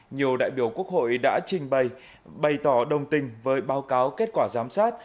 nhiều đại biểu quốc hội đã trình bày tỏ đồng tình với báo cáo kết quả giám sát